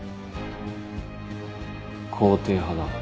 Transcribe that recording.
肯定派だ。